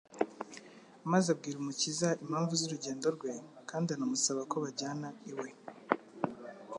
maze abwira Umukiza impamvu z'urugendo rwe, kandi anamusaba ko bajyana iwe.